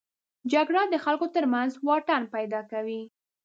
جګړه د خلکو تر منځ واټن پیدا کوي